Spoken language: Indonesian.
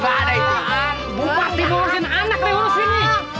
bupati mengurusin anak rehusin nih